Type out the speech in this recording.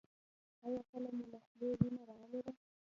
ایا کله مو له خولې وینه راغلې ده؟